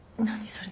それ。